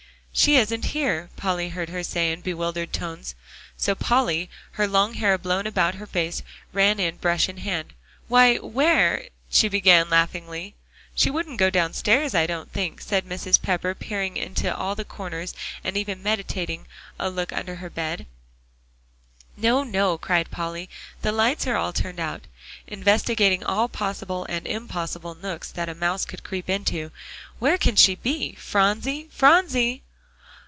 "She isn't here," Polly heard her say in bewildered tones. So Polly, her long hair blown about her face, ran in, brush in hand. "Why, where" she began laughingly. "She wouldn't go downstairs, I don't think," said Mrs. Pepper, peering in all the corners, and even meditating a look under the bed. "No, no," cried Polly, "the lights are all turned out," investigating all possible and impossible nooks that a mouse could creep into. "Where can she be? Phronsie Phronsie!"